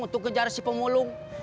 untuk kejar si pemulung